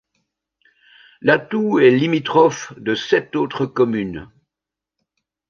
Latoue est limitrophe de sept autres communes.